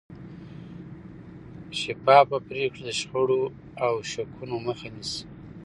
شفافه پرېکړې د شخړو او شکونو مخه نیسي